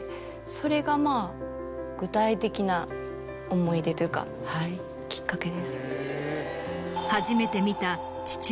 それがまぁ具体的な思い出というかはいきっかけです。